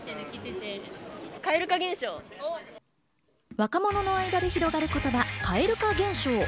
若者の間で広がる言葉・蛙化現象。